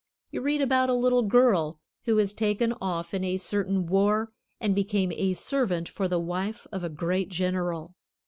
You read about a little girl who was taken off in a certain war, and became a servant for the wife of a great general.